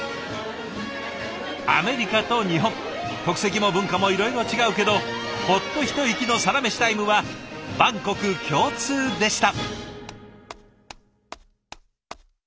アメリカと日本国籍も文化もいろいろ違うけどほっと一息のサラメシタイムは万国共通でした。